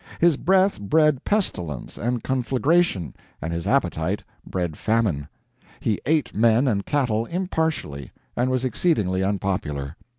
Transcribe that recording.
His breath bred pestilence and conflagration, and his appetite bred famine. He ate men and cattle impartially, and was exceedingly unpopular.